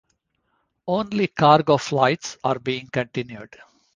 Only cargo flights are being continued.